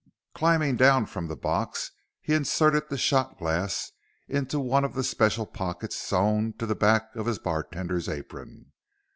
Climbing down from the box, he inserted the shot glass into one of the special pockets sewn to the back of his bartender's apron.